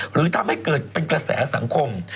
หรือทำให้เกิดเป็นกระแสสังคม